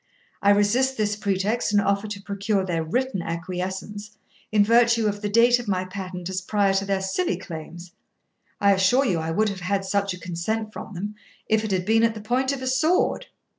I resist this pretext, and offer to procure their written acquiescence, in virtue of the date of my patent as prior to their silly claims; I assure you I would have had such a consent from them, if it had been at the point of the sword.